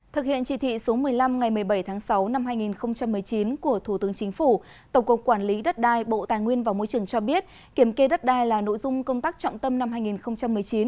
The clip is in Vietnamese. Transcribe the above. thực hiện chỉ thị số một mươi năm ngày một mươi bảy tháng sáu năm hai nghìn một mươi chín của thủ tướng chính phủ tổng cục quản lý đất đai bộ tài nguyên và môi trường cho biết kiểm kê đất đai là nội dung công tác trọng tâm năm hai nghìn một mươi chín